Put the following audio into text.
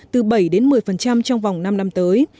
từ bảy một mươi trong vòng năm năm tới